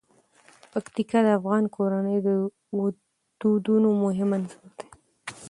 پکتیکا د افغان کورنیو د دودونو مهم عنصر دی.